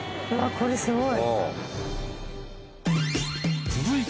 これすごい。